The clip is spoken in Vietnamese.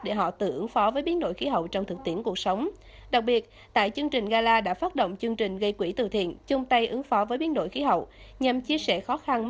để họ tự ứng phó với biến đổi khí hậu trong thực tiễn cuộc sống